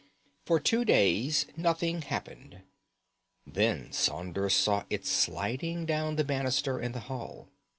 For two days nothing happened. Then Saunders saw it sliding down the banister in the hall.